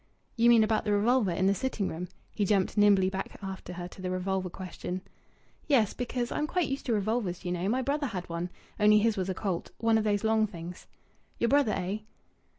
"You mean about the revolver in the sitting room?" He jumped nimbly back after her to the revolver question. "Yes. Because I'm quite used to revolvers, you know. My brother had one. Only his was a Colt one of those long things." "Your brother, eh?"